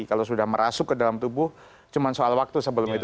kalau sudah merasuk ke dalam tubuh cuma soal waktu sebelum itu